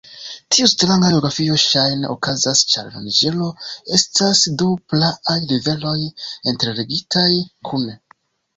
Tiu stranga geografio ŝajne okazas ĉar la Niĝero estas du praaj riveroj interligitaj kune.